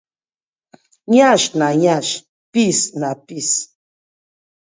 Yansh na yansh piss na piss.